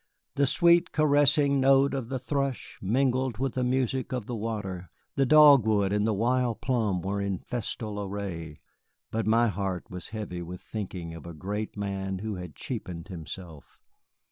The sweet, caressing note of the thrush mingled with the music of the water, the dogwood and the wild plum were in festal array; but my heart was heavy with thinking of a great man who had cheapened himself.